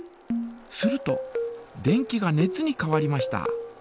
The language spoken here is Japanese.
すると電気が熱に変わりました。